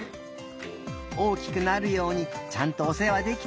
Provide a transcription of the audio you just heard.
大きくなるようにちゃんとおせわできたねえ。